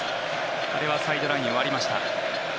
これはサイドラインを割りました。